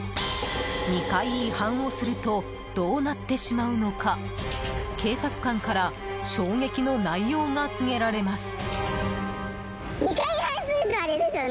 ２回違反をするとどうなってしまうのか警察官から衝撃の内容が告げられます。